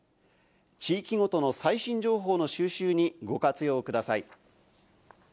地域ごとの最新情報の収集にご活用ください。